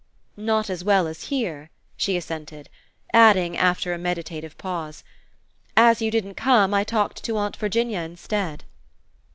"Not as well as here," she assented; adding, after a meditative pause, "As you didn't come I talked to Aunt Virginia instead."